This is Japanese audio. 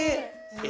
え。